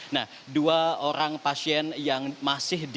nah dua orang pasien yang masih di